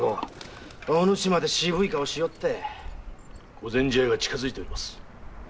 御前試合が近づいております。